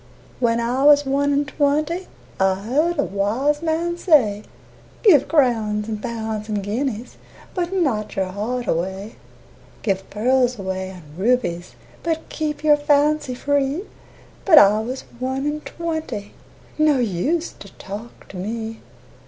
XIII When I was one and twenty I heard a wise man say, "Give crowns and pounds and guineas But not your heart away; Give pearls away and rubies But keep your fancy free." But I was one and twenty, No use to talk to me.